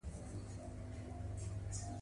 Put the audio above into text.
لومړی مدینې منورې ته ځو.